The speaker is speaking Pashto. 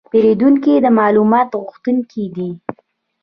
پیرودونکي د معلوماتو غوښتونکي دي.